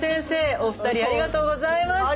お二人ありがとうございました。